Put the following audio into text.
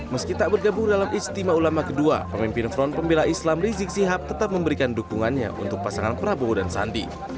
meski tak bergabung dalam istimewa ulama kedua pemimpin front pembela islam rizik sihab tetap memberikan dukungannya untuk pasangan prabowo dan sandi